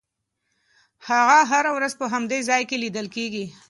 هغه هره ورځ په همدې ځای کې لیدل کېږي.